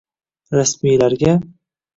Rasmiylarga